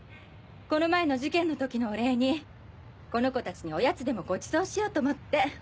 この前の事件の時のお礼にこの子達におやつでもごちそうしようと思って。